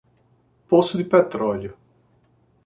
Poço de petróleo